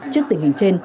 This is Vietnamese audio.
trước tình hình trên